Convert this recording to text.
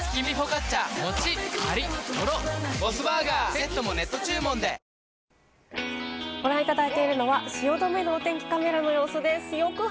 「セラムシールド」誕生ご覧いただいているのは汐留のお天気カメラの様子です。